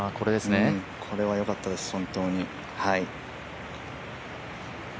これはよかったです、本当に。